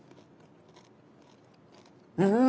うん！